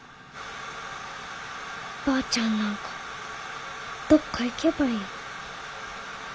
ばあちゃんなんかどっか行けばいい。